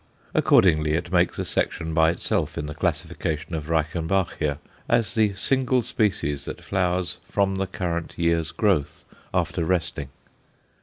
Accordingly, it makes a section by itself in the classification of Reichenbachia, as the single species that flowers from the current year's growth, after resting.